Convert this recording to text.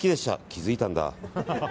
気づいたんだ。